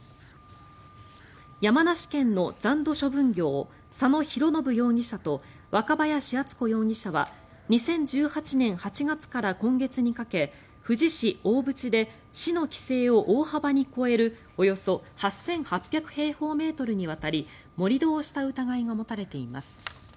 山梨県の残土処分業佐野浩信容疑者と若林厚子容疑者は２０１８年８月から今月にかけ富士市大淵で市の規制を大幅に超えるおよそ８８００平方メートルにわたり盛り土をした疑いが持たれています。